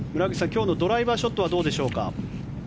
今日のドライバーショットはどうでしょうか。